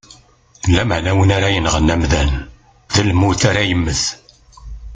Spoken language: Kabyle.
Lameɛna win ara yenɣen amdan, d lmut ara yemmet.